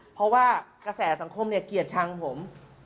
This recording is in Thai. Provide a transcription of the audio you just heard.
เพราะว่ากระแสสังคมเกลียดชั้นผม